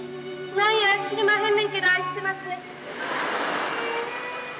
何や知りまへんねんけど愛してまっせ。